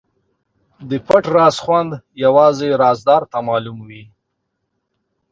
د پټ راز خوند یوازې رازدار ته معلوم وي.